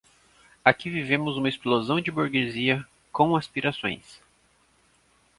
Aqui vivemos uma explosão de burguesia com aspirações.